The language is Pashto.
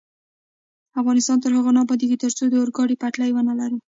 افغانستان تر هغو نه ابادیږي، ترڅو د اورګاډي پټلۍ ونلرو.